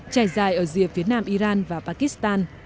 trải dài ở rìa phía nam iran và pakistan